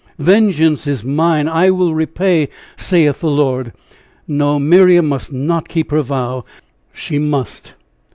"Vengeance is mine I will repay, saith the Lord." No, Miriam must not keep her vow! She must!